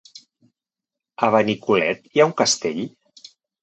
A Benicolet hi ha un castell?